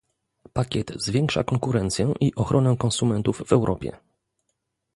Pakiet zwiększa konkurencję i ochronę konsumentów w Europie